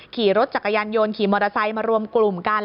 ขี่รถจักรยานยนต์ขี่มอเตอร์ไซค์มารวมกลุ่มกัน